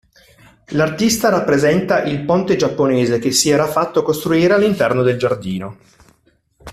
L'artista rappresenta il Ponte giapponese che si era fatto costruire all'interno del giardino.